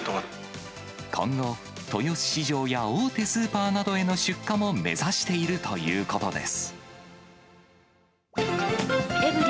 今後、豊洲市場や大手スーパーなどへの出荷も目指しているということです。